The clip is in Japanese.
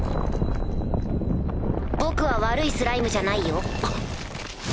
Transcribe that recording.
僕は悪いスライムじゃないよ。